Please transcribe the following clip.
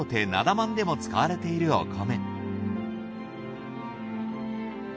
万でも使われているお米。